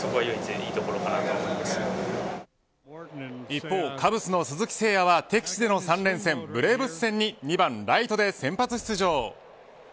一方カブスの鈴木誠也は敵地での３連戦ブレーブス戦に２番ライトで先発出場。